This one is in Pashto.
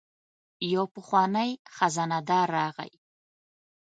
یو پخوانی خزانه دار راغی.